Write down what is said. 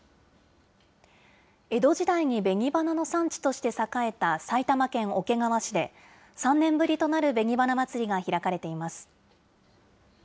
江戸時代に紅花の産地として栄えた埼玉県桶川市で、３年ぶりとなるべに花まつりが開かれています。